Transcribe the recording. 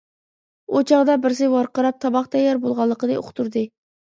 بۇ چاغدا بىرسى ۋارقىراپ تاماق تەييار بولغانلىقىنى ئۇقتۇردى.